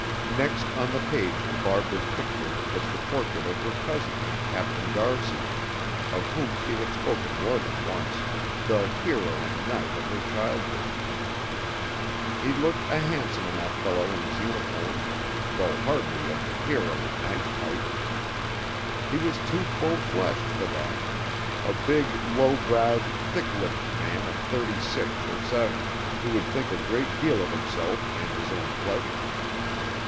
Next on the page to Barbara's picture was the portrait of her cousin, Captain d'Arcy, of whom she had spoken more than once, the "hero and knight" of her childhood. He looked a handsome enough fellow in his uniform, though hardly of the "hero and knight" type. He was too full fleshed for that: a big, low browed, thick lipped man of thirty six or seven, who would think a great deal of himself and his own pleasure.